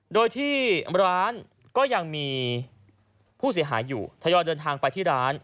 โดยที่ร้านก็ยังมีผู้เสียหายอยู่ทยอยเดินทางไปที่ร้าน